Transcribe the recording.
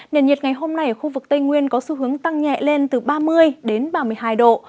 nền nhiệt ngày hôm nay ở khu vực tây nguyên có xu hướng tăng nhẹ lên từ ba mươi ba mươi hai độ